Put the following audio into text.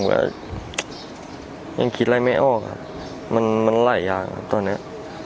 ผมก็ยังคิดอะไรไม่ออกมันหลายอย่างตอนนี้